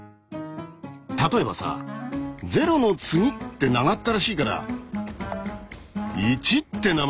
例えばさ「０の次」って長ったらしいから「１」って名前付けない？